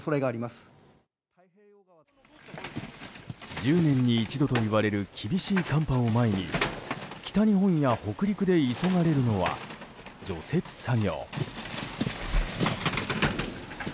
１０年に一度といわれる厳しい寒波を前に北日本や北陸で急がれるのは除雪作業。